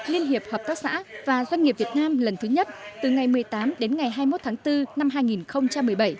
liên hiệp hợp tác xã và doanh nghiệp việt nam lần thứ nhất từ ngày một mươi tám đến ngày hai mươi một tháng bốn năm hai nghìn một mươi bảy